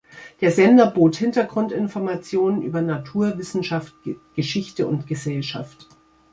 Der Sender bot Hintergrundinformationen über Natur, Wissenschaft, Geschichte und Gesellschaft.